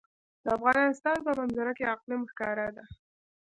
د افغانستان په منظره کې اقلیم ښکاره ده.